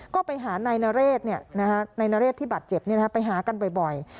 ก็ไปหานายนเรศนายนเรศที่บาดเจ็บไปหากันบ่อย